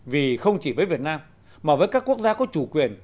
vì không chỉ với việt nam mà với các quốc gia có chủ quyền